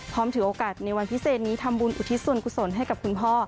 ถือโอกาสในวันพิเศษนี้ทำบุญอุทิศส่วนกุศลให้กับคุณพ่อ